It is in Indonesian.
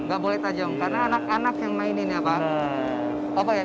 nggak boleh tajam karena anak anak yang mainin ya pak